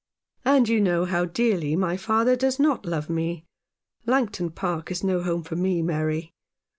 "And you know how dearly my father does not love me. Langton Park is no home for me, Mary.